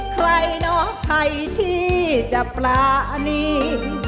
ใครเนาะใครที่จะปลาอันนี้